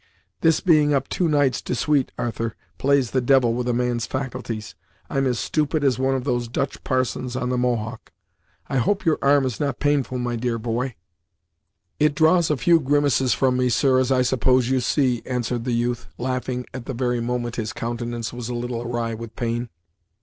"This being up two nights de suite, Arthur, plays the devil with a man's faculties! I'm as stupid as one of those Dutch parsons on the Mohawk I hope your arm is not painful, my dear boy?" "It draws a few grimaces from me, sir, as I suppose you see," answered the youth, laughing at the very moment his countenance was a little awry with pain.